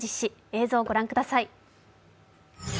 映像をご覧ください。